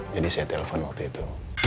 jadi saya telfon waktu itu